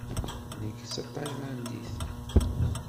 Nekk d tataylandit.